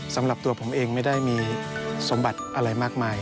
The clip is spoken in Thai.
สำหรับตัวผมเองไม่ได้มีสมบัติอะไรมากมาย